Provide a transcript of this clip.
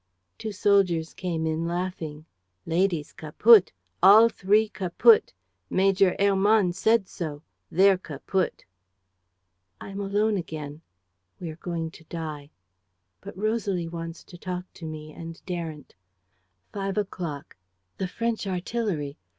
... "Two soldiers came in, laughing: "'Lady's kaput! ... All three kaput! ... Major Hermann said so: they're kaput!' "I am alone again. ... We are going to die. ... But Rosalie wants to talk to me and daren't. ... "Five o'clock. "The French artillery.